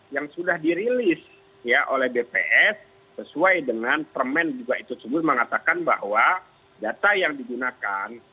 yang sudah dirilis oleh bps sesuai dengan permen juga itu sebut mengatakan bahwa data yang digunakan